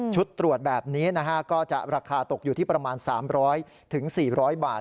ตรวจแบบนี้นะฮะก็จะราคาตกอยู่ที่ประมาณ๓๐๐๔๐๐บาท